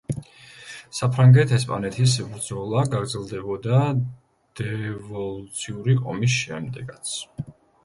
საფრანგეთ-ესპანეთის ბრძოლა გაგრძელდებოდა დევოლუციური ომის შემდეგაც.